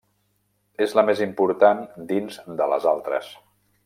És la més important dins de les altres.